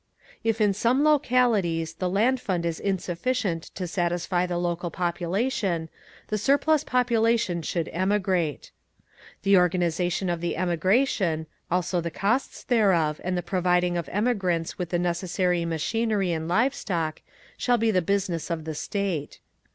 If in some localities the Land Fund is insufficient to satisfy the local population, the surplus population should emigrate. The organisation of the emigration, also the costs thereof, and the providing of emigrants with the necessary machinery and live stock, shall be the business of the State.